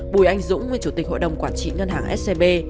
bùi anh dũng nguyên chủ tịch hội đồng quản trị ngân hàng scb